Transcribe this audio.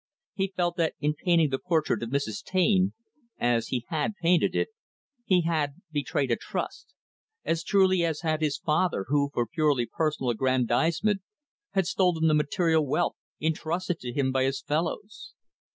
He felt that in painting the portrait of Mrs. Taine as he had painted it he had betrayed a trust; as truly as had his father who, for purely personal aggrandizement, had stolen the material wealth intrusted to him by his fellows.